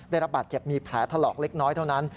ได้รับบาดเจ็บมีแผลถลอกเล็กน้อยเท่านั้น